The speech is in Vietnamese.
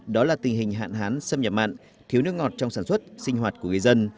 đó là tình hình hạn hán xâm nhập mặn thiếu nước ngọt trong sản xuất sinh hoạt của người dân